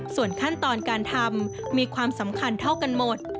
ส่วนขั้นตอนการทำมีความสำคัญเท่ากันหมด